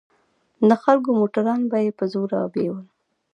د خلکو موټران به يې په زوره بيول.